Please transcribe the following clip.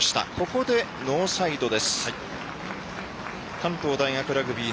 ここでノーサイド。